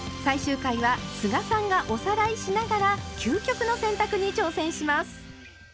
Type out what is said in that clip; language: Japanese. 最終回は須賀さんがおさらいしながら「究極の洗濯」に挑戦します！